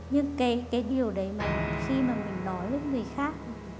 nhưng cái điều đấy mà khi mà mình nói lên người khác